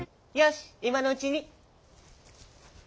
いまのうちに。